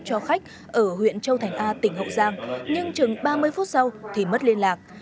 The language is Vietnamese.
cho khách ở huyện châu thành a tỉnh hậu giang nhưng chừng ba mươi phút sau thì mất liên lạc